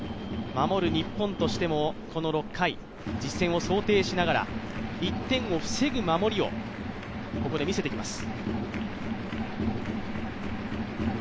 守る日本としても、この６回実戦を想定しながら、１点を防ぐ守りをここで見せてきます。